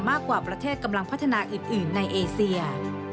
ประเทศกำลังพัฒนาอื่นในเอเซีย